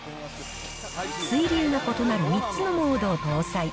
水流が異なる３つのモードを搭載。